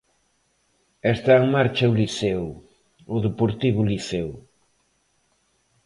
E está en marcha o Liceo, o Deportivo Liceo.